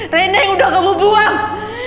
tenda yang udah kamu buang